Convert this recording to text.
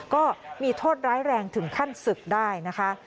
ก็มีโทษร้ายแรงถึงขั้นศึกได้นะคะ